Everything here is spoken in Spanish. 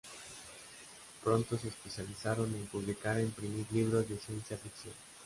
Pronto se especializaron en publicar e imprimir libros de ciencia ficción.